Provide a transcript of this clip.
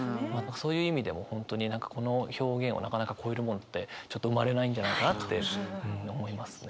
そういう意味でも本当に何かこの表現をなかなか超えるものってちょっと生まれないんじゃないかなって思いますね。